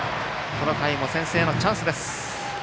この回も先制のチャンスです。